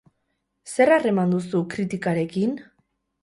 Zer harreman duzu kritikarekin?